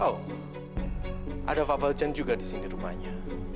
oh ada fafa ucan juga di sini rumahnya